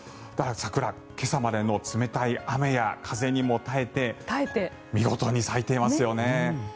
桜、今朝までの冷たい雨や風にも耐えて見事に咲いていますよね。